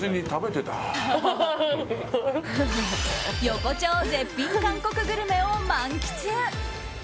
横丁絶品韓国グルメを満喫！